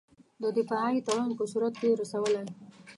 د دفاعي تړون په صورت کې رسولای.